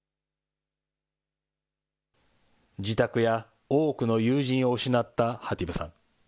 自宅や多くの友人を失ったハティブさん。